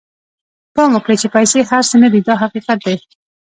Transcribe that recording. پام وکړئ چې پیسې هر څه نه دي دا حقیقت دی.